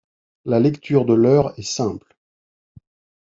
La lecture de l'heure est simple.